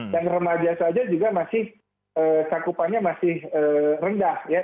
dan remaja saja juga masih sakupannya masih rendah ya